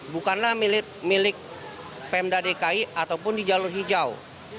bukanlah milik pemda dki ataupun di jalur hijau